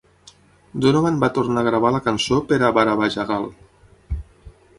Donovan va tornar a gravar la cançó per a 'Barabajagal'.